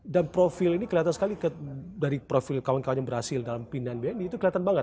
dan profil ini kelihatan sekali dari profil kawan kawan yang berhasil dalam pindahan bni itu kelihatan banget